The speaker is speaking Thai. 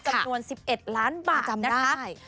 จำนวน๑๑ล้านบาทจำได้